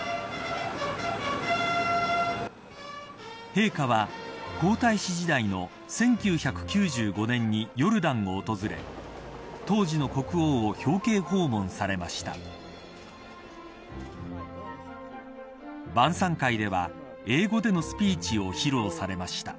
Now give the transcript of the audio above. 陛下は皇太子時代の１９９５年にヨルダンを訪れ当時の国王を表敬訪問されました。